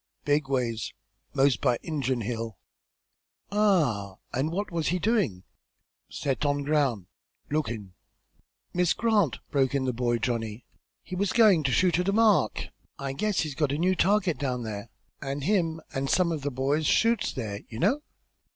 "Big ways. Most by Injun Hill." "Ah! and what was he doing?" "Set on ground lookin'." "Miss Grant!" broke in the boy Johnny. "He was goin' to shoot at a mark; I guess he's got a new target down there, an' him an' some of the boys shoots there, you know.